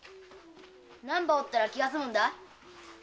何羽折ったら気が済むんだ？